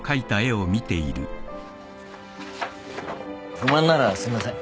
不満ならすいません。